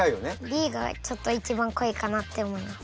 Ｂがちょっと一番濃いかなって思います。